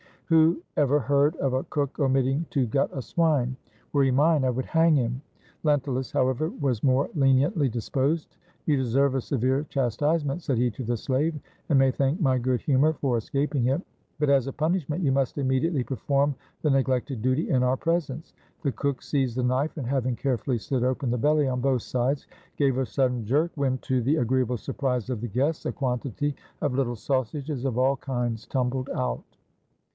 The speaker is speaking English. Who ever heard of a cook omitting to gut a swine? Were he mine, I would hang him." Lentulus, however, was more leniently disposed. "You deserve a severe chastise ment," said he to the slave, "and may thank my good humor for escaping it. But, as a punishment, you must immediately perform the neglected duty in our pres ence." The cook seized the knife, and having carefully slit open the belly on both sides, gave a sudden jerk, when, to the agreeable surprise of the guests, a quantity of httle sausages of all kinds tumbled out.